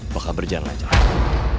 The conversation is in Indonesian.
baka berjanjah aja